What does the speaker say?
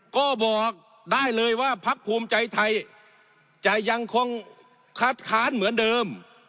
ก็บอกได้เลยว่าพักภูมิใจไทยจะยังคงคัดค้านเหมือนเดิม